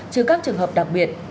chứ các trường hợp đặc biệt